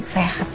gak ada apa apa